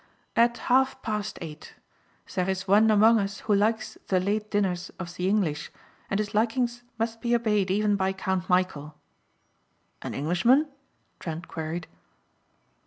"At half past eight. There is one among us who likes the late dinners of the English and his likings must be obeyed even by Count Michæl." "An Englishman?" Trent queried.